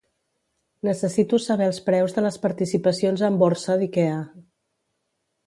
Necessito saber els preus de les participacions en borsa d'Ikea.